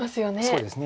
そうですね。